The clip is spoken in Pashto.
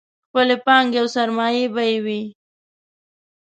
خپلې پانګې او سرمایې به یې وې.